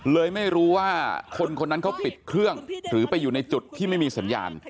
เลยไม่รู้ว่าคนคนนั้นเขาปิดเครื่องหรือไปอยู่ในจุดที่ไม่มีสัญญาณ